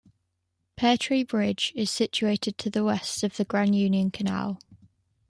Peartree Bridge is situated to the West of the Grand Union canal.